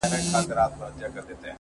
• ګیله له خپلو کېږي -